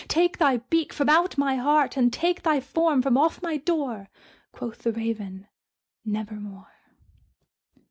Take thy beak from out my heart, and take thy form from off my door!" Quoth the Raven, "Nevermore."